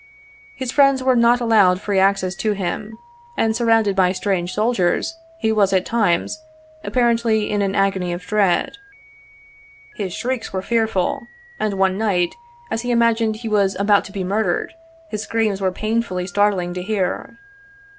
His friends were not allowed free access to him, and surrounded by strange soldiers, he was, at times, apparently in an agony of dread. His shrieks were fearful, and one night, as he imagined he was about to be murdered, his screams were painfully startling to hear.